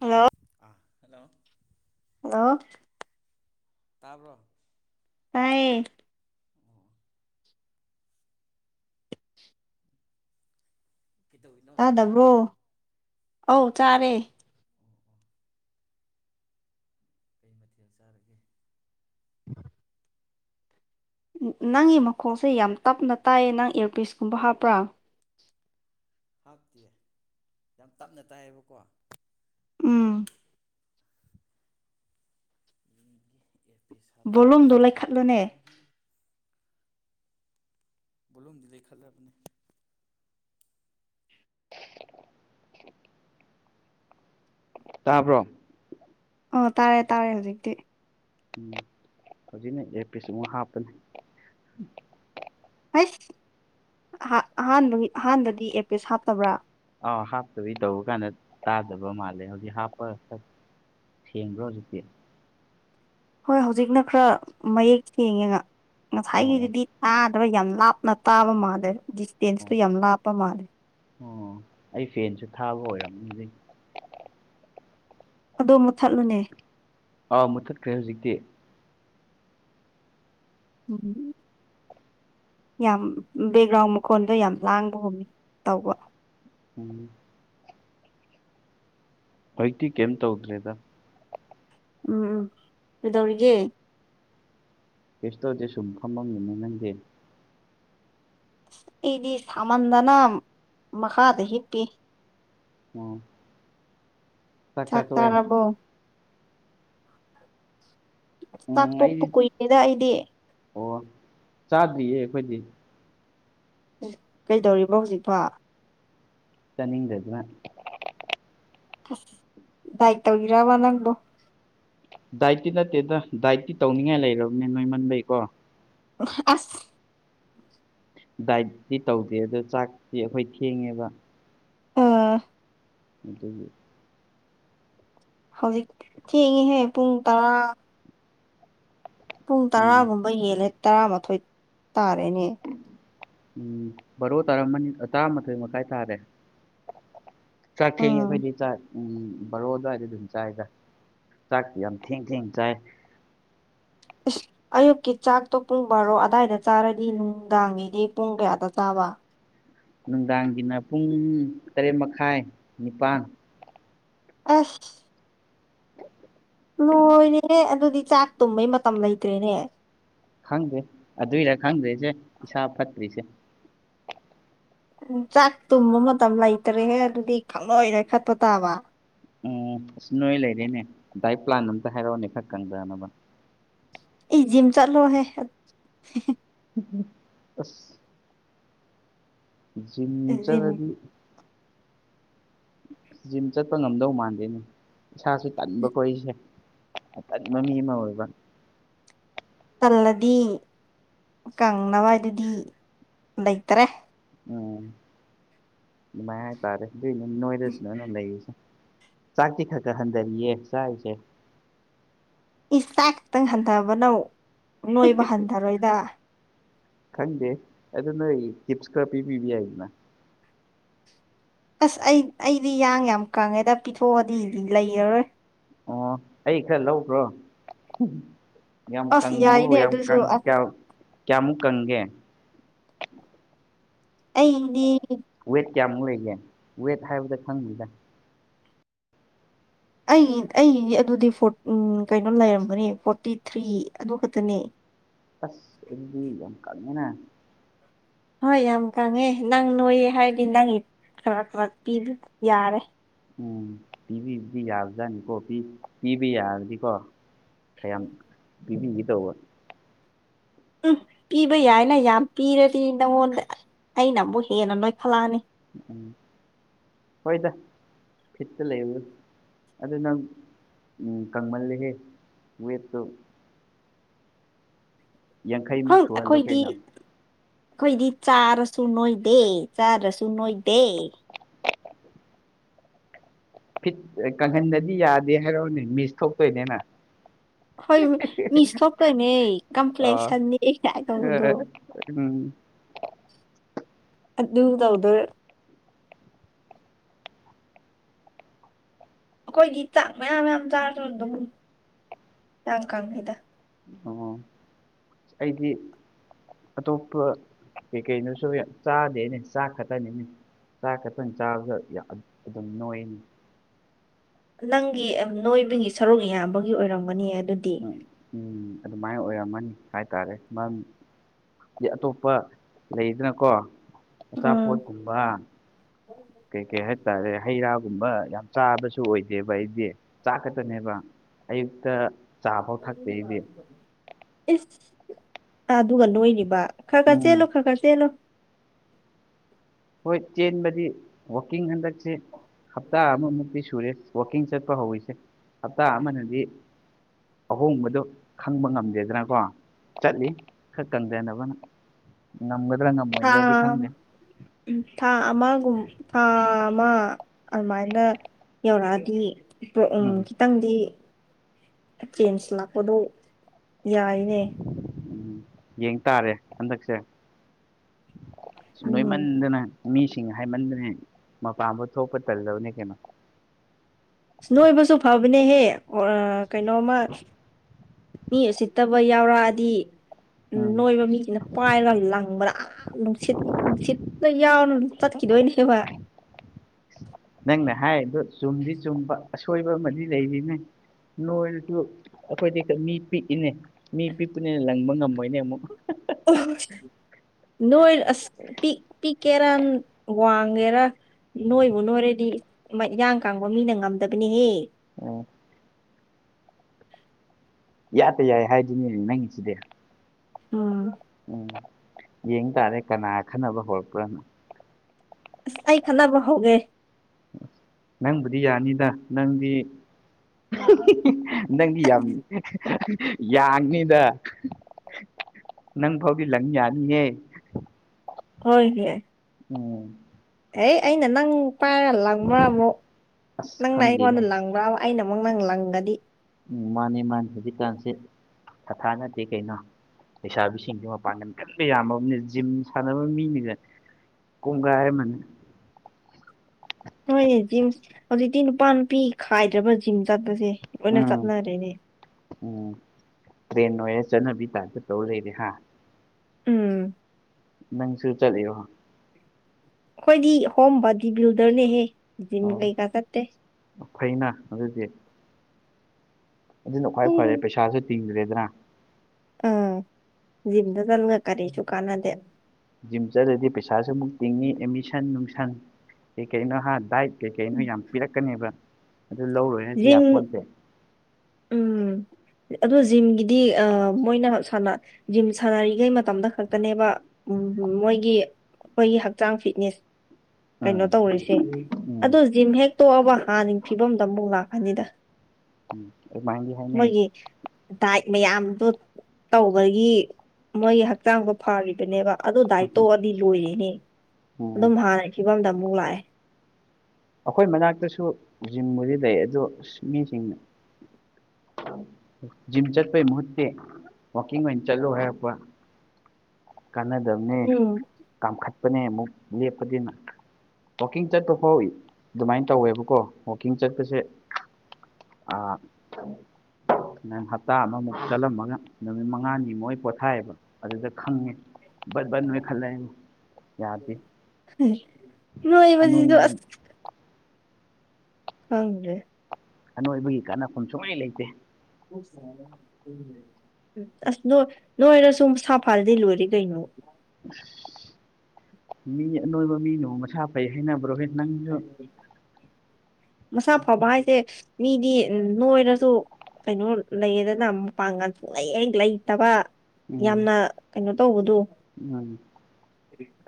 Hello ꯑꯥ hello hello ꯇꯥꯕ꯭ꯔꯣ ꯇꯌꯦ ꯑꯣ ꯀꯩꯗꯧꯔꯤꯅꯣ ꯆꯥꯛ ꯇꯥꯗꯕ꯭ꯔꯣ ꯆꯥꯔꯕꯣ ꯑꯣ ꯑꯧ ꯆꯥꯔꯦ ꯑꯣ ꯀꯩ ꯃꯊꯦꯜ ꯆꯥꯔꯒꯦ ꯅꯪꯒꯤ ꯃꯈꯣꯛꯁꯦ ꯌꯥꯝ ꯇꯞꯅ ꯇꯥꯏꯌꯦ ꯅꯪ ꯏꯌꯔꯄꯤꯁꯀꯨꯝꯕ ꯍꯥꯞꯄ꯭ꯔꯥ ꯍꯥꯞꯇꯦ ꯌꯥꯝ ꯇꯞꯅ ꯇꯥꯏꯌꯦꯕꯀꯣ ꯎꯝ ꯌꯦꯡꯒꯦ ꯑꯦꯌꯔꯄꯤꯁ ꯍꯥꯞꯄꯗꯤ ꯕꯣꯂꯨꯝꯗꯣ ꯁꯤꯅꯤ ꯂꯩꯈꯠꯂꯨꯅꯦ ꯕꯣꯂꯨꯝꯗꯤ ꯂꯩ ꯈꯠꯂꯕꯅꯦ ꯇꯥꯕ꯭ꯔꯣ ꯑꯣ ꯇꯥꯔꯦ ꯇꯥꯔꯦ ꯍꯧꯖꯤꯛꯇꯤ ꯎꯝ ꯍꯧꯖꯤꯛꯅ ꯑꯦꯌꯔ ꯄꯤꯁ ꯑꯃꯨꯛ ꯍꯥꯞꯄꯅꯤ ꯍꯩꯁ ꯑꯍꯥꯟꯕꯒꯤ ꯑꯍꯥꯟꯕꯗꯤ ꯑꯦꯌꯔꯄꯤꯁ ꯍꯥꯞꯇꯕ꯭ꯔꯥ ꯑꯥꯎ ꯍꯥꯞꯇꯕꯩ ꯇꯧꯕ ꯀꯥꯟꯗ ꯇꯥꯗꯕ ꯃꯥꯜꯂꯦ ꯍꯧꯖꯤꯛ ꯍꯥꯞꯄꯒ ꯈꯔ ꯊꯦꯡꯕ꯭ꯔꯣ ꯍꯧꯖꯤꯛꯇꯤ ꯍꯣꯏ ꯍꯧꯖꯤꯛꯅ ꯈꯔ ꯃꯌꯦꯛ ꯁꯦꯡꯉꯦꯒ ꯑꯣ ꯑꯣ ꯉꯁꯥꯏꯒꯤꯗꯨꯗꯤ ꯇꯥꯗ ꯑꯗꯨ ꯌꯥꯝ ꯂꯥꯞꯅ ꯇꯥꯕ ꯃꯥꯜꯂꯦ ꯗꯤꯁꯇꯦꯟꯁꯇꯨ ꯑꯣ ꯌꯥꯝ ꯂꯥꯞꯄ ꯃꯥꯜꯂꯦ ꯑꯣ ꯑꯩ ꯐꯦꯟꯁꯨ ꯊꯥꯕ ꯑꯣꯏꯔꯝꯅꯤ ꯑꯗꯨꯢ ꯑꯗꯣ ꯃꯨꯊꯠꯂꯨꯅꯦ ꯑꯥ ꯃꯨꯊꯠꯈ꯭ꯔꯦ ꯍꯧꯖꯤꯛꯇꯤ ꯎꯝ ꯌꯥꯝ ꯕꯦꯛꯒ꯭ꯔꯥꯎꯟ ꯃꯈꯣꯟꯗꯣ ꯌꯥꯝ ꯂꯥꯡꯕꯒꯨꯝ ꯇꯧꯕ ꯎꯝ ꯍꯧꯛꯇꯤ ꯀꯩꯝ ꯇꯧꯗ꯭ꯔꯦꯗ ꯎꯝ ꯎꯝ ꯀꯩꯗꯧꯔꯤꯒꯦ ꯀꯩꯁ ꯇꯧꯗꯦ ꯁꯨꯝ ꯐꯝꯃꯝꯃꯤꯅꯤ ꯅꯪꯗꯤ ꯑꯩꯗꯤ ꯁꯥꯃꯟꯗꯅ ꯃꯈꯥꯗ ꯍꯤꯞꯄꯤ ꯑꯣ ꯆꯥꯛ ꯆꯥ ꯇꯣꯛꯑꯦ ꯆꯠꯇꯔꯕꯣ ꯥ ꯆꯥꯛ ꯎꯝ ꯇꯣꯛꯄ ꯑꯩꯗꯤ ꯀꯨꯏꯔꯦꯗ ꯑꯩꯗꯤ ꯑꯣ ꯆꯥꯗ꯭ꯔꯤꯌꯦ ꯑꯩꯈꯣꯏꯗꯤ ꯀꯩꯗꯧꯔꯤꯕ ꯍꯧꯖꯤꯛꯐꯥꯎ ꯆꯅꯤꯡꯗꯗꯨꯅ ꯑꯁ ꯗꯥꯏ ꯇꯧꯕꯤꯔꯕ ꯅꯪꯗꯣ ꯗꯥꯏꯠꯇꯤ ꯅꯠꯇꯦꯗ ꯗꯥꯏꯠꯇꯤ ꯇꯧꯅꯤꯡꯉꯥꯏ ꯂꯩꯔꯕꯅꯤ ꯅꯣꯏꯃꯟꯕꯩꯀꯣ ꯑꯁ ꯗꯥꯏꯠꯇꯤ ꯇꯧꯗꯦ ꯑꯗꯣ ꯆꯥꯛꯇꯤ ꯑꯩꯈꯣꯏ ꯊꯦꯡꯉꯦꯕ ꯑꯥ ꯑꯗꯨ ꯍꯧꯖꯤꯛ ꯆꯦꯡꯉꯤꯍꯦ ꯄꯨꯡ ꯇꯔꯥ ꯄꯨꯡ ꯎꯝ ꯇꯔꯥꯒꯨꯝꯕ ꯍꯦꯜꯂꯦ ꯇꯔꯥꯃꯥꯊꯣꯏ ꯇꯥꯔꯦꯅꯦ ꯎꯝ ꯕꯥꯔꯣ ꯇꯔꯥꯃ ꯇꯔꯥꯃꯥꯊꯣꯏ ꯃꯈꯥꯏ ꯇꯥꯔꯦ ꯆꯥꯛ ꯊꯦꯡꯉꯦ ꯎꯝ ꯑꯩꯈꯣꯏꯗꯤ ‌ꯆꯥꯛ ꯎꯝ ꯕꯥꯔꯣꯗꯥꯏꯗꯤ ꯑꯗꯨꯝ ꯆꯥꯏꯗ ꯆꯥꯛꯇꯤ ꯌꯥꯝ ꯊꯦꯡ ꯊꯦꯡ ꯆꯥꯏ ꯏꯁ ꯑꯌꯨꯛꯀꯤ ꯆꯥꯛꯇꯣ ꯄꯨꯡ ꯕꯥꯔꯣ ꯑꯗꯥꯏꯗ ꯆꯥꯔꯗꯤ ꯅꯨꯡꯗꯥꯡꯒꯤꯗꯤ ꯄꯨꯡ ꯀꯌꯥꯗ ꯆꯥꯕ ꯅꯨꯡꯗꯥꯡꯒꯤꯅ ꯄꯨꯡ ꯇꯔꯦꯠ ꯃꯈꯥꯏ ꯅꯤꯄꯥꯜ ꯑꯁ ꯂꯣꯏꯔꯦꯍꯦ ꯑꯗꯨꯗꯤ ꯆꯥꯛ ꯇꯨꯝꯕꯩ ꯃꯇꯝ ꯂꯩꯇ꯭ꯔꯦꯅꯦ ꯈꯪꯗꯦ ꯑꯗꯨꯏꯔ ꯈꯪꯗ꯭ꯔꯦꯁꯦ ꯏꯁꯥ ꯐꯠꯇ꯭ꯔꯤꯁꯦ ꯆꯥꯛ ꯇꯨꯝꯕ ꯃꯇꯝ ꯂꯩꯇꯔꯦꯍꯦ ꯑꯗꯨꯗꯤ ꯈꯪ ꯅꯣꯏ ꯅꯣꯏꯈꯠꯄ ꯇꯥꯕ ꯎꯝ ꯑꯁ ꯅꯣꯏ ꯂꯩꯔꯦꯅꯦ ꯗꯥꯏꯠ ꯄ꯭ꯂꯥꯟ ꯑꯝꯇ ꯍꯥꯏꯔꯛꯑꯣꯅꯦ ꯈꯔ ꯈꯪꯗꯅꯕ ꯏ ꯖꯤꯝ ꯆꯠꯂꯣꯍꯦ ꯑꯁ ꯖꯤꯝ ꯖꯤꯝ ꯆꯠꯂꯗꯤ ꯖꯤꯝ ꯆꯠꯄ ꯉꯝꯗꯧ ꯃꯥꯟꯗꯦꯅꯦ ꯏꯁꯥꯁ ꯇꯟꯕ ꯀꯣ ꯑꯩꯁꯦ ꯃꯃꯤ ꯑꯃ ꯑꯣꯏꯕ ꯇꯜꯂꯗꯤ ꯀꯪꯅꯕ ꯍꯥꯏꯗꯨꯗꯤ ꯂꯩꯇꯔꯦ ꯑꯗꯨꯃꯥꯏ ꯍꯥꯏ ꯇꯥꯔꯦ‌‌ꯅꯣꯏꯔꯁ‌‌ꯁꯨꯃꯥꯏ ꯑꯗꯨꯝ ꯂꯩꯁꯦ ꯆꯥꯛꯇꯤ ꯈꯔ ꯈꯔ ꯍꯟꯊꯔꯤꯌꯦ ꯆꯥꯔꯤꯁꯦ ꯏꯁ ꯆꯥꯛ ꯈꯛꯇꯪ ꯍꯟꯊꯕꯅ ꯅꯣꯏꯕ ꯍꯟꯊꯔꯣꯏꯗ ꯈꯪꯗꯦ ꯑꯗꯨ ꯅꯣꯏ ꯇꯤꯞꯁ ꯈꯔ ꯄꯤꯕꯤꯕ ꯌꯥꯏꯗꯅ ꯑꯁ ꯑꯩ ꯑꯩꯗꯤ ꯏꯌꯥꯡ ꯌꯥꯝ ꯀꯪꯉꯦꯗ ꯄꯤꯊꯣꯛꯑꯗꯤ ꯂꯩꯔꯔꯣꯏ ꯑꯣ ꯑꯩ ꯈꯔ ꯂꯧꯒꯔꯣ ꯌꯥꯝ ꯑꯁ ꯀꯪꯕꯨ ꯌꯥꯏꯅꯦ ꯌꯥꯝ ꯑꯗꯨꯁꯨ ꯀꯪ ꯑꯁ ꯀꯌꯥ ꯀꯌꯥꯝꯃꯨꯛ ꯀꯪꯒꯦ ꯑꯩꯗꯤ ꯋꯦꯠ ꯀ꯭ꯌꯥꯃꯨꯛ ꯂꯩꯒꯦ ꯋꯦꯠ ꯍꯥꯏꯕꯗ ꯈꯪꯅꯤꯗ ꯑꯩ ꯑꯩꯒꯤ ꯑꯗꯨꯗꯤ ꯐꯣꯔꯠ ꯎꯝ ꯀꯩꯅꯣ ꯂꯩꯔꯝꯕꯅꯤ ꯐꯣꯔꯇꯤ ꯊ꯭ꯔꯤ ꯑꯗꯨ ꯈꯛꯇꯅꯦ ꯑꯁ ꯑꯗꯨꯗꯤ ꯌꯥꯝ ꯀꯥꯪꯉꯦꯅ ꯍꯣꯏ ꯌꯥꯝ ꯀꯪꯉꯦ ꯅꯪ ꯅꯣꯏꯌꯦ ꯍꯥꯏꯔꯗꯤ ꯅꯪ ꯈꯔ ꯈꯔ ꯄꯤꯕ ꯌꯥꯔꯦ ꯎꯝ ꯄꯤꯕꯤꯕꯗꯤ ꯌꯥꯕꯖꯥꯠꯅꯤꯀꯣ ꯄꯤ ꯄꯤꯕ ꯌꯥꯔꯗꯤꯀꯣ ꯈꯌꯥꯝ ꯄꯤꯕꯤꯒꯦ ꯇꯧꯕ ꯎꯝ ꯄꯤꯕ ꯌꯥꯏꯅ ꯌꯥꯝ ꯄꯤꯔꯗꯤ ꯅꯪꯉꯣꯟꯗ ꯑꯩꯅ ꯑꯃꯨꯛ ꯍꯦꯟꯅ ꯅꯣꯏꯐꯠꯂꯛꯑꯅꯤ ꯍꯣꯏꯗ ꯐꯤꯠꯇ ꯂꯩꯕꯗꯨ ꯑꯗꯨ ꯅꯪ ꯎꯝ ꯀꯪꯃꯜꯂꯦꯍꯦ ꯋꯦꯠꯇꯣ ꯌꯥꯡꯈꯩꯃꯨꯛ ꯈꯪ ꯁꯨꯍꯜꯂꯣ ꯑꯩꯈꯣꯏꯗꯤ ꯀꯩꯅꯣ ꯑꯩꯈꯣꯏꯗꯤ ꯆꯥꯔꯁꯨ ꯅꯣꯏꯗꯦ ꯆꯥꯗ꯭ꯔꯁꯨ ꯅꯣꯏꯗꯦ ꯐꯤꯠ ꯀꯪꯍꯟꯗꯗꯤ ꯌꯥꯗꯦ ꯍꯥꯏꯔꯛꯑꯣꯅꯦ ꯃꯤꯁ ꯊꯣꯛꯇꯣꯏꯅꯤꯅ ꯍꯣꯏ ꯃꯤꯁ ꯊꯣꯛꯇꯣꯏꯅꯦ ꯑꯥ ꯀꯝꯄ꯭ꯂꯦꯛꯁꯟ ꯅꯦꯒꯥꯏꯟ ꯇꯧꯕꯗꯣ ꯎꯝ ꯑꯗꯨ ꯇꯧꯗꯣꯏ ꯑꯩꯈꯣꯏꯒꯤ ꯆꯥꯛ ꯃꯌꯥꯝ ꯌꯥꯝ ꯆꯥꯔꯁꯨ ꯑꯗꯨꯝ ꯌꯥꯡ ꯀꯪꯉꯤꯗ [unintelligible] ꯑꯩꯗꯤ ꯑꯇꯣꯞꯄ ꯀꯩ ꯀꯩꯅꯣꯁꯨ ꯌꯥꯝ ꯆꯥꯗꯦꯅꯦ ꯆꯥꯛ ꯈꯛꯇꯅꯤꯅꯦ ꯆꯥ ꯈꯇꯪ ꯆꯥꯕꯗ ꯌꯥꯝ ꯑꯗꯨꯝ ꯅꯣꯏꯅꯦ ꯅꯪꯒꯤ ꯅꯣꯏꯕꯒꯤ ꯁꯔꯨꯛ ꯌꯥꯝꯕꯒꯤ ꯑꯣꯏꯔꯝꯒꯅꯤꯌꯦ ꯑꯗꯨꯗꯤ ꯎꯝ ꯎꯝ ꯑꯗꯨꯃꯥꯏꯅ ꯑꯣꯏꯔꯝꯃꯅꯤ ꯍꯥꯏꯇꯥꯔꯦ ꯃꯔꯝ ꯑꯇꯣꯞꯄ ꯂꯩꯗꯅꯀꯣ ꯎꯝ ꯑꯆꯥꯄꯣꯠꯀꯨꯝꯕ ꯀꯩ ꯀꯩ ꯍꯥꯏꯇꯥꯔꯦ ꯍꯩꯔꯥ [unintelligible] ꯌꯥꯝ ꯆꯥꯕꯁꯨ ꯑꯣꯏꯗꯦꯕ ꯑꯩꯗꯤ ꯆꯥꯛ ꯈꯛꯇꯅꯦꯕ ꯑꯌꯨꯛꯇ ꯆꯥꯐꯥꯎ ꯊꯛꯇꯦ ꯑꯩꯗꯤ ꯏꯁ ꯑꯗꯨꯒ ꯅꯣꯏꯔꯤꯕ ꯈ꯭ꯔ ꯈ꯭ꯔ ꯎꯝ ꯆꯦꯜꯂꯨ ꯈ꯭ꯔ ꯈ꯭ꯔ ꯆꯦꯜꯂꯨ ꯍꯣꯏ ꯆꯦꯟꯕꯗꯤ ꯋꯥꯛꯀꯤꯡ ꯍꯟꯗꯛꯁꯦ ꯍꯞꯇꯥ ꯑꯃꯃꯨꯛꯇꯤ ꯁꯨꯔꯦ ꯋꯥꯛꯀꯤꯡ ꯆꯠꯄ ꯍꯧꯋꯤꯁꯦ ꯍꯞꯇꯥ ꯑꯃꯅꯗꯤ ꯑꯍꯣꯡꯕꯗꯨ ꯈꯪꯕ ꯉꯝꯗꯦꯗꯅꯀꯣ ꯆꯠꯂꯤ ꯈꯔ ꯀꯪꯗꯅꯕꯅ ꯉꯝꯒꯗ꯭ꯔꯥ ꯉꯝꯃꯣꯏꯗ꯭ꯔꯗꯤ ꯈꯪꯗꯦ ꯎꯝ ꯊꯥ ꯑꯃꯒꯨꯝ ꯊꯥ ꯑꯃ ꯑꯗꯨꯃꯥꯏꯅ ꯌꯧꯔꯛꯑꯗꯤ ꯎꯝ ꯇꯣꯛꯑꯥ ꯇꯪꯗꯤ ꯆꯦꯟꯖ ꯂꯥꯛꯄꯗꯣ ꯌꯥꯏꯅꯦ ꯎꯝ ꯌꯦꯡ ꯇꯥꯔꯦ ꯍꯟꯗꯛꯁꯦ ꯎꯝ ꯅꯣꯏꯃꯟꯗꯅ ꯃꯤꯁꯤꯡ ꯍꯥꯏꯃꯟꯗꯅꯦ ꯃꯄꯥꯟꯕꯥꯎ ꯊꯣꯛꯄ ꯇꯜꯂꯕꯅꯦ ꯀꯩꯅꯣ ꯅꯣꯏꯕꯁꯨ ꯐꯕꯅꯦꯍꯦ ꯑꯥ ꯀꯩꯅꯣꯝꯃ ꯃꯤ ꯎꯁꯤꯠꯇꯕ ꯌꯥꯎꯔꯛꯑꯗꯤ ꯎꯝ ꯅꯣꯏꯕ ꯃꯤꯁꯤꯅ ꯄꯥꯏꯔ ꯂꯪꯕꯗꯥ ꯑꯥ ꯅꯨꯡꯁꯤꯠ ꯅꯨꯡꯁꯤꯠꯇ ꯌꯥꯎꯔꯒ ꯆꯠꯈꯤꯗꯣꯏꯅꯦꯕ [unintelligible] ꯅꯪꯅ ꯍꯥꯏꯔꯤꯗꯨ ꯆꯨꯝꯗꯤ ꯆꯨꯝꯕ ꯑꯁꯣꯏꯕ ꯑꯃꯗꯤ ꯂꯩꯔꯤꯅꯦ ꯅꯣꯏꯔꯁꯨ ꯑꯩꯈꯣꯏꯗꯤ ꯀꯩ ꯃꯤ ꯄꯤꯛꯏꯅꯦ ꯃꯤ ꯄꯤꯛꯄꯅꯤꯅ ꯂꯪꯕ ꯉꯝꯃꯣꯏꯅꯦ ꯑꯃꯨꯛ [unintelligible] ꯅꯣꯏ ꯑꯁ ꯄꯤꯛ ꯄꯤꯛꯀꯦꯔꯥ ꯋꯥꯡꯒꯦꯔꯥ ꯅꯣꯏꯕꯨ ꯅꯣꯏꯔꯗꯤ ꯃꯌꯥꯡ ꯀꯪꯕ ꯃꯤꯅ ꯉꯝꯗꯕꯅꯦꯍꯦ ꯎꯝ ꯏꯌꯥꯗ ꯌꯥꯏ ꯍꯥꯏꯗꯨꯅꯤꯅꯦ ꯅꯪꯒꯤꯁꯤꯗꯤ ꯑꯥ ꯎꯝ ꯌꯦꯡ ꯇꯥꯔꯦ ꯀꯅꯥ ꯈꯟꯅꯕ ꯍꯧꯔꯛꯄ꯭ꯔꯥꯅ ꯑꯁ ꯑꯩ ꯈꯠꯅꯕ ꯍꯧꯒꯦ ꯅꯪꯕꯨꯗꯤ ꯌꯥꯅꯤꯗ ꯅꯪꯗꯤ ꯅꯪꯗꯤ ꯌꯥꯝ ꯌꯥꯡꯅꯤꯗ [unintelligible] ꯅꯪꯐꯥꯎꯗꯤ ꯂꯪ ꯌꯥꯅꯤꯦꯍꯦ ꯍꯣꯏ ꯅꯦ ꯎꯝ ꯍꯩ ꯑꯩꯅ ꯅꯪ ꯄꯥꯏꯔ ꯂꯪꯕ꯭ꯔꯥ ꯑꯃꯨꯛ ꯑꯁ ꯅꯪꯅ ꯈꯪꯗꯦꯅꯦ ꯑꯩꯉꯣꯟꯗ ꯂꯪꯕ꯭ꯔꯥ ꯑꯃꯥ ꯑꯩꯅ ꯃꯨꯛ ꯅꯪ ꯂꯪꯉꯗꯤ ꯎꯝ ꯃꯥꯅꯤ ꯃꯥꯅꯤ ꯍꯧꯖꯤꯛꯀꯥꯟꯁꯦ ꯊꯥ ꯊꯥ ꯅꯠꯇꯦ ꯀꯩꯅꯣ ꯂꯩꯁꯥꯕꯤꯁꯤꯡꯖꯦ ꯃꯄꯥꯡꯒꯟ ꯀꯟꯕ ꯌꯥꯝꯃꯕꯅꯤ ꯖꯤꯝ ꯁꯥꯟꯅꯕ ꯃꯤꯒ ꯀꯣꯡꯒꯥꯏ ꯑꯃꯅꯤ ꯍꯣꯏꯅꯦ ꯖꯤꯝ ꯍꯧꯖꯤꯛꯇꯤ ꯅꯨꯄꯥ ꯅꯨꯄꯤ ꯈꯥꯏꯗ꯭ꯔꯕ ꯖꯤꯝ ꯆꯠꯄꯖꯦ ꯂꯣꯏꯅ ꯆꯠꯅꯔꯦꯅꯦ ꯑꯣ ꯇ꯭ꯔꯦꯟ ꯑꯣꯏꯔꯦ ꯆꯠꯅꯕꯤ ꯇꯥꯏꯞꯇ ꯇꯧ ꯂꯩꯔꯦ ꯍꯥ ꯎꯝ ꯅꯪꯁꯨ ꯆꯠꯂꯤꯔꯣ ꯈꯣꯏꯗꯤ ꯍꯣꯝ ꯕꯗꯤ ꯕꯤꯜꯗꯔꯅꯦꯍꯦ ꯖꯤꯝ ꯑꯣ ꯀꯩꯀꯥ ꯆꯠꯇꯦ ꯐꯩꯅ ꯑꯗꯨꯗꯤ ꯑꯗꯨꯅ ꯈ꯭ꯋꯥꯏ ꯐꯔꯦ ꯄꯩꯁꯥꯁꯨ ꯇꯤꯡꯗ꯭ꯔꯦꯗꯅ ꯑꯥ ꯖꯤꯝꯗ ꯆꯥꯠꯂꯒ ꯀꯔꯤꯁꯨ ꯀꯥꯟꯅꯗꯦꯅ ꯖꯤꯝ ꯆꯠꯂꯗꯤ ꯄꯩꯁꯥꯁꯨ ꯑꯃꯨꯛ ꯇꯤꯡꯉꯤ ꯑꯦꯠꯃꯤꯁꯟ ꯅꯨꯡꯁꯟ ꯀꯩ ꯀꯩꯅꯣ ꯍꯥ ꯗꯥꯏꯠ ꯀꯩꯀꯩ ꯅꯣ ꯎꯝ. ꯌꯥꯝ ꯄꯤꯔꯛꯀꯅꯦꯕ ꯑꯗꯨ ꯂꯧꯔꯣꯏ ꯍꯥꯏꯁꯨ ꯨꯖꯤꯝ ꯌꯥꯄꯣꯟꯇꯦ [inaudible] ꯎꯝ ꯑꯗꯣ ꯖꯤꯝꯒꯤꯗꯤ ꯑꯥ ꯃꯣꯏꯅ ꯁꯥꯅ ꯖꯤꯝ ꯁꯥꯟꯅꯔꯤꯒꯩ ꯃꯇꯝꯗ ꯈꯛꯇꯅꯦꯕ ꯎꯝ ꯃꯣꯏꯒꯤ ꯃꯣꯏꯒꯤ ꯍꯛꯆꯥꯡ ꯐꯤꯠꯅꯦꯁ ꯀꯩꯅꯣ ꯎꯝ ꯇꯧꯔꯤꯁꯦ ꯎꯝ ꯑꯗꯨ ꯖꯤꯝ ꯍꯦꯛ ꯇꯣꯛꯑꯕ ꯍꯥꯟꯅꯒꯤ ꯐꯤꯕꯝꯗ ꯑꯃꯨꯛ ꯂꯥꯛ ꯐꯅꯤꯗ ꯎꯝ ꯑꯗꯨꯃꯥꯏꯅꯗꯤ ꯍꯥꯏꯅꯩ ꯃꯣꯏꯒꯤ ꯗꯥꯏꯠ ꯃꯌꯥꯝꯗꯣ ꯇꯧꯕꯒꯤ ꯃꯣꯏꯒꯤ ꯍꯛꯆꯥꯡꯗꯣ ꯐꯔꯤꯕꯅꯦꯕ ꯑꯗꯨ ꯗꯥꯏꯇꯣꯛꯑꯗꯤ ꯂꯣꯏꯔꯦꯅꯦ ꯎꯝ ꯑꯗꯨꯝ ꯍꯥꯟꯅꯩ ꯐꯤꯕꯝꯗ ꯑꯃꯨꯛ ꯂꯥꯛꯑꯦ ꯑꯈꯣꯏ ꯃꯅꯥꯛꯇꯁꯨ ꯖꯤꯝꯕꯨꯗꯤ ꯂꯩ ꯑꯗꯣ ꯑꯁ ꯃꯤꯖꯤꯡꯅ ꯖꯤꯝ ꯆꯠꯄꯩ ꯃꯍꯨꯠꯇꯤ ꯋꯥꯛꯀꯤꯡ ꯑꯣꯏꯅ ꯆꯠꯂꯣ ꯍꯥꯏꯔꯛꯄ ꯀꯥꯟꯅꯗꯕꯅꯦ ꯎꯝ ꯀꯥꯝꯈꯠꯄꯅꯦ ꯑꯃꯨꯛ ꯂꯦꯞꯄꯗꯤꯅ ꯋꯥꯛꯀꯤꯡ ꯆꯠꯄ ꯐꯥꯎ ꯑꯗꯨꯃꯥꯏꯅ ꯇꯧꯋꯦꯕꯀꯣ ꯋꯥꯛꯀꯤꯡ ꯆꯠꯄꯁꯦ ꯑꯥ ꯅꯪ ꯍꯞꯇꯥ ꯑꯃꯃꯨꯛ ꯆꯠꯂꯝꯃꯒ ꯅꯨꯃꯤꯠ ꯃꯉꯥꯅꯤ ꯃꯨꯛ ꯑꯩ ꯄꯣꯊꯥꯏꯕ ꯑꯗꯨꯗ ꯈꯪꯉꯦ ꯕꯠ ꯕꯠ ꯅꯣꯏꯈꯠꯂꯦ ꯌꯥꯗꯦ ꯑꯅꯣꯏ ꯅꯣꯏꯕꯁꯤꯁꯨ ꯑꯁ ꯈꯪꯗꯦ ꯑꯅꯣꯏꯕꯒꯤ ꯀꯥꯟꯅꯐꯝ ꯁꯨꯂꯩ ꯂꯩꯇꯦ [unintelligible] ꯑꯁ ꯅꯣꯏ ꯅꯣꯏꯔꯁꯨꯨ ꯃꯁꯥꯐꯔꯗꯤ ꯂꯣꯏꯔꯦ ꯀꯩꯅꯣ ꯃꯤ ꯑꯅꯣꯏꯕ ꯃꯤꯅꯕꯨ ꯃꯁꯥ ꯐꯩ ꯍꯥꯏꯅꯕ꯭ꯔꯣꯍꯦ ꯅꯪꯁꯨ ꯎꯝ [inaudible] ꯃꯁꯥ ꯐꯕ ꯍꯥꯏꯁꯦ ꯃꯤꯗꯤ ꯎꯝ ꯅꯣꯏꯔꯁꯨ ꯀꯩꯅꯣ ꯂꯩꯌꯦꯗꯅ ꯃꯄꯥꯡꯒꯥꯟ ꯁꯨꯡꯂꯩꯍꯦꯛ ꯂꯩꯇꯕ ꯎꯝ ꯌꯥꯝꯅ ꯀꯩꯅꯣ ꯇꯧꯕꯗꯣ [unintelligible]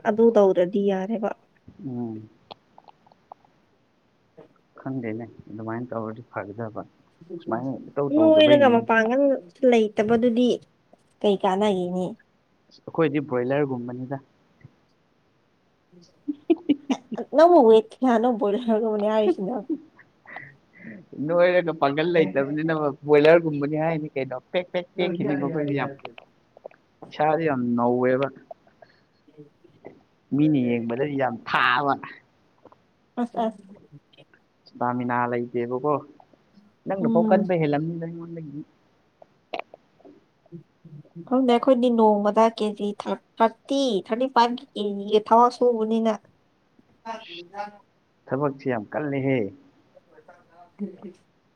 ꯑꯗꯨ ꯇꯧꯗ꯭ꯔꯗꯤ ꯌꯥꯔꯦꯕ ꯎꯝ [inaudible] ꯈꯟꯒꯅꯦ ꯑꯗꯨꯃꯥꯏꯅ ꯇꯧꯔꯗꯤ ꯐꯥꯒꯗꯕ ꯅꯨꯏꯔꯒ ꯃꯄꯥꯡꯒꯜ ꯂꯩꯇꯕꯗꯨꯗꯤ ꯀꯩ ꯀꯥꯟꯅꯒꯅꯤ ꯑꯩꯈꯣꯏꯗꯤ ꯕ꯭ꯔꯣꯏꯂꯔꯒꯨꯝꯕꯅꯤꯗ ꯅꯪꯕꯨ ꯋꯦꯏꯠ ꯀꯌꯥꯅꯣ ꯕꯣꯏꯂꯔꯔꯒꯅꯤ ꯍꯥꯏꯁꯤꯅ ꯅꯣꯏꯔꯒ ꯄꯥꯡꯒꯜ ꯂꯩꯇꯕꯅꯤꯅ ꯕꯣꯏꯂꯔꯒꯨꯝꯕꯅꯤ ꯍꯥꯏꯅꯤ ꯀꯩꯅꯣ ꯄꯦꯛ ꯇꯦꯈꯤꯅꯤꯕꯥ ꯑꯩꯈꯣꯏꯗꯤ ꯌꯥꯝ ꯏꯁꯥꯥꯁ ꯌꯥꯝ ꯅꯧꯋꯦꯕ ꯃꯤꯅ ꯌꯦꯡꯕꯗ ꯌꯥꯝ ꯊꯥꯕ ꯑꯁ ꯑꯁ ꯏꯁꯇꯥꯃꯤꯅꯥ ꯂꯩꯇꯦꯕꯀꯣ ꯅꯪꯅꯐꯥꯎ ꯎꯝ ꯀꯟꯕ ꯍꯦꯜꯂꯝꯅꯤꯗ ꯑꯩꯉꯣꯟꯗꯒꯤ [unintelligible] ꯈꯪꯗꯦ ꯑꯩꯈꯣꯏꯗꯤ ꯅꯣꯡꯃꯗ ꯀꯦꯖꯤ ꯊꯥꯔꯇꯤ ꯊꯥꯔꯇꯤ ꯐꯥꯏꯚꯀꯤ ꯀꯦꯖꯤꯒꯤ ꯊꯕꯛ ꯁꯨꯕꯅꯤꯅ [unintelligible] [unintelligible] ꯊꯕꯛꯁꯤ ꯌꯥꯝ ꯀꯜꯂꯤꯍꯦ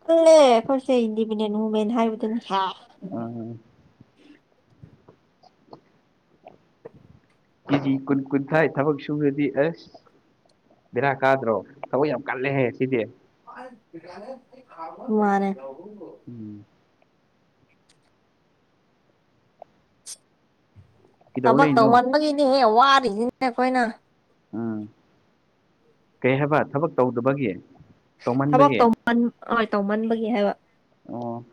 ꯀꯥꯜꯂꯦ ꯑꯩꯈꯣꯏꯁꯦ ꯏꯟꯗꯤꯄꯦꯟꯗꯦꯟ ꯋꯨꯃꯦꯟ ꯍꯥꯏꯕꯗꯨꯅ ꯑ ꯀꯦꯖꯤ ꯀꯨꯟ ꯀꯨꯟꯊ꯭ꯔꯥꯏ ꯊꯕꯛ ꯁꯨꯕꯗꯤ ꯑꯁ ꯕꯦꯔꯥ ꯀꯥꯗ꯭ꯔꯣ ꯊꯕꯛ ꯌꯥꯝ ꯀꯜꯂꯦꯍꯦ ꯁꯤꯗꯤ ꯃꯥꯅꯦ ꯎꯝ ꯀꯩꯗꯧ ꯊꯕꯛ ꯂꯩꯅꯣ ꯇꯧꯃꯟꯕꯒꯤꯅꯦ ꯍꯦ ꯋꯥꯔꯤꯁꯤꯅꯦ ꯑꯩꯈꯣꯏꯅ ꯎꯝ ꯀꯩ ꯍꯥꯏꯕ ꯊꯕꯛ ꯇꯧꯗꯕꯒꯤ ꯊꯕꯛ ꯇꯧꯃꯟꯕꯒꯤ ꯇꯧ ꯍ ꯇꯧꯃꯟꯕꯒꯤ ꯍꯥꯏꯕ ꯑꯣ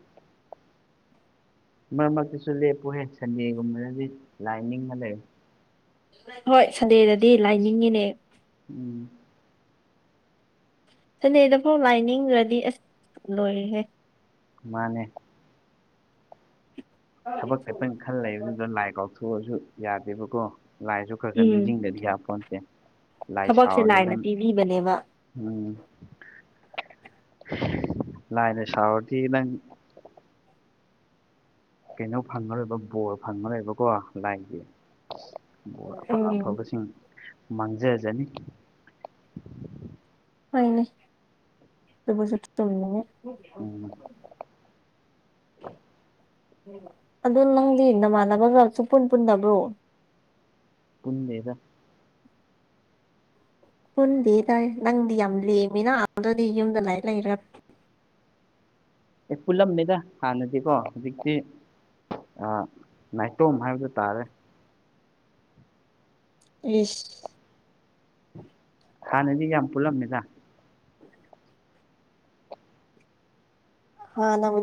ꯃꯔꯛ ꯃꯔꯛꯇꯁꯨ ꯂꯦꯞꯄꯨꯍꯦ ꯁꯟꯗꯦꯒꯨꯝꯕꯗꯗꯤ ꯂꯥꯏ ꯅꯤꯡꯉ ꯂꯩꯑꯣ ꯍꯣꯏ ꯁꯟꯗꯦꯗꯗꯤ ꯂꯥꯏ ꯅꯤꯡꯉꯤꯅꯦ ꯎꯝ ꯁꯥꯅꯗꯦꯗꯐꯥꯎ ꯂꯥꯏꯅꯤꯡꯗ꯭ꯔꯗꯤ ꯑꯁ ꯂꯣꯏꯔꯍꯦ ꯃꯥꯅꯦ ꯊꯕꯛ ꯈꯦꯛꯇꯪ ꯈꯜ ꯂꯩꯕꯗꯨꯗ ꯂꯥꯏ ꯀꯥꯎꯊꯣꯛꯑꯁꯨ ꯌꯥꯗꯦꯕꯀꯣ ꯂꯥꯏꯁꯨ ꯈꯔ ꯈꯔ ꯎꯝ ꯅꯤꯡꯁꯤꯡꯗꯗꯤ ꯌꯥꯄꯣꯟꯇꯦ ꯂꯥꯏ ꯊꯕꯛꯁꯦ ꯁꯥꯎꯔꯗ ꯂꯥꯏꯅ ꯅꯪ ꯄꯤꯕꯤꯕꯅꯦꯕ ꯎꯝ ꯂꯥꯏꯅ ꯁꯥꯎꯔꯥꯗꯤ ꯅꯪ ꯀꯩꯅꯣ ꯐꯪꯉꯔꯣꯏꯕ ꯕꯣꯔ ꯐꯪꯉꯔꯣꯏꯕꯀꯣ ꯂꯥꯏꯒꯤ ꯕꯣꯔ ꯑꯐ ꯎꯝ ꯑꯐꯕꯁꯤꯡ ꯃꯥꯡꯖꯖꯅꯤ ꯍꯥꯏꯅꯦ ꯑꯗꯨꯕꯨꯁꯨ ꯆꯨꯝꯃꯦ ꯎꯝ ꯑꯗꯣ ꯅꯪꯗꯤ ꯅꯃꯥꯟꯅꯕꯒ ꯁꯨꯛꯄꯨꯟ ꯄꯨꯟꯗꯕ꯭ꯔꯣ ꯄꯨꯟꯗꯦꯗ ꯄꯨꯟꯗꯤꯗ ꯅꯪꯗꯤ ꯌꯥꯝ ꯂꯦꯝꯃꯤꯅ ꯑꯗꯗꯤ ꯌꯨꯝꯗ ꯂꯩꯔ ꯂꯩꯔ ꯑꯦ ꯄꯨꯜꯂꯝꯃꯦꯗ ꯍꯥꯟꯅꯗꯤꯀꯣ ꯍꯧꯖꯤꯛꯇꯤ ꯅꯥꯏꯇꯣꯝ ꯍꯥꯏꯕꯗꯨ ꯇꯥꯔꯦ ꯏꯁ ꯍꯥꯟꯅꯗꯤ ꯌꯥꯝ ꯄꯨꯜꯂꯝꯃꯤꯗ ꯍꯥꯟꯅꯕꯨꯗꯤ